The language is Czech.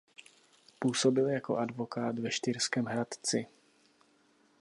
Působil jako advokát ve Štýrském Hradci.